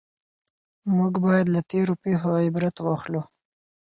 موږ بايد له تېرو پېښو عبرت واخلو.